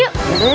duduk aja disini